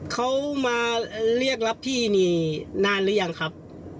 เขามาเรียกรับพี่นี่นานหรือยังครับ